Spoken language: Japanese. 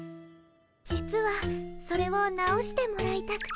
実はそれを直してもらいたくて。